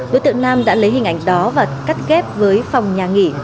đối tượng nam đã lấy hình ảnh đó và cắt ghép với phòng nhà nghỉ